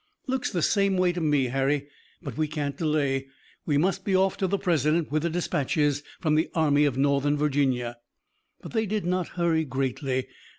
"Looks the same way to me, Harry, but we can't delay. We must be off to the President, with the dispatches from the Army of Northern Virginia." But they did not hurry greatly.